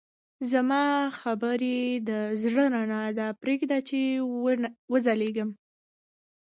زما خبرې د زړه رڼا ده، پرېږده چې وځلېږي.